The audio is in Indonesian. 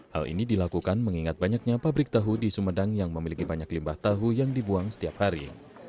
hal ini dilakukan mengingat banyaknya pabrik tahu di sumedang yang memiliki banyak limbah tahu yang dibuang setiap hari